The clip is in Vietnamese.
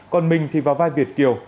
còn mình thì vào vai việt kiều